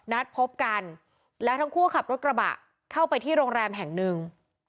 นัดพบกันแล้วทั้งคู่ขับรถกระบะเข้าไปที่โรงแรมแห่งหนึ่ง